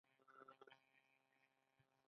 د مخابراتو وزارت انټرنیټ اداره کوي